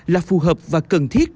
là phù hợp và cần thiết